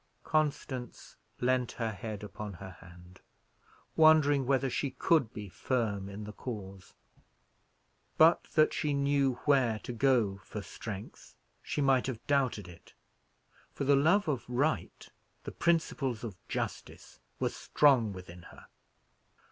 Constance leaned her head upon her hand, wondering whether she could be firm in the cause. But that she knew where to go for strength, she might have doubted it; for the love of right, the principles of justice were strong within her.